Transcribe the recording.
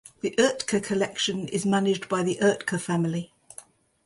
The Oetker Collection is managed by the Oetker family.